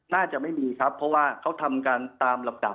น่าจะไม่มีครับเพราะว่าเขาทำการตามลำดับ